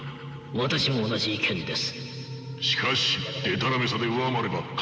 私も同じ意見です。